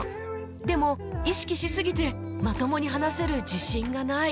でも意識しすぎてまともに話せる自信がない